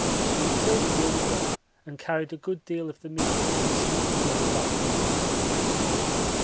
We killed a young one and carried a good deal of the meat and some of the blubber back with us.